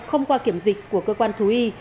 không qua kiểm dịch của cơ quan thú y